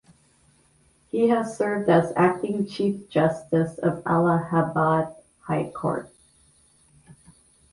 He has served as Acting Chief Justice of Allahabad High Court.